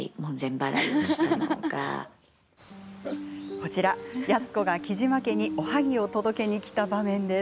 こちら、安子が雉真家におはぎを届けに来た場面です。